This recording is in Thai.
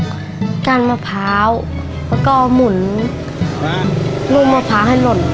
จะต้องการมะพร้าวและมุนลูกมะพร้าวให้หล่น